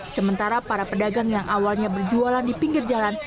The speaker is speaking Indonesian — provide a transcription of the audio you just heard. sementara para pedagang yang awalnya berjualan di pinggir jalan